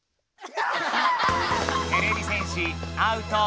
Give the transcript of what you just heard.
てれび戦士アウト。